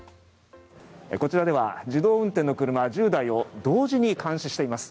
こちらでは自動運転の車１０台を同時に監視しています。